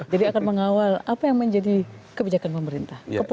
jadi akan mengawal apa yang menjadi kebijakan pemerintah